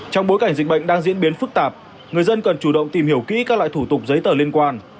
trong bối cảnh dịch bệnh đang diễn biến phức tạp người dân cần chủ động tìm hiểu kỹ các loại thủ tục giấy tờ liên quan